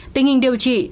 tình hình điều trị